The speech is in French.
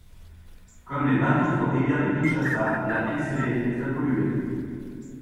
Comme les vingt autres rivières de Kinshasa, la Nsele est très polluée.